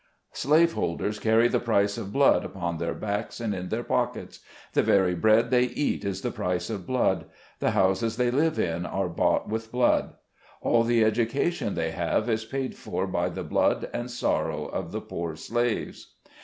" Slave holders carry the price of blood upon their backs and in their pockets ; the very bread they eat is the price of blood; the houses they live in are bought with blood ; all the education they have is paid for by the blood and sorrow of the poor slaves.